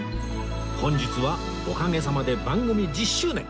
本日はおかげさまで番組１０周年！